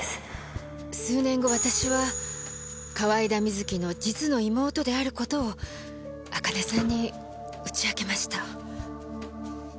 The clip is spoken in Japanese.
数年後私は河井田瑞希の実の妹である事を朱音さんに打ち明けました。